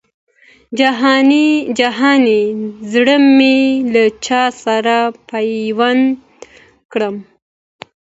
جهاني زړه مي له چا سره پیوند کړم